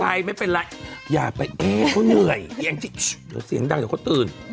อันไทยไม่เป็นไรอย่าไปเอ๊เขาเหนื่อยเดี๋ยวเสียงดังเดี๋ยวเขาตื่น